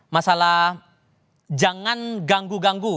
masalah jangan ganggu ganggu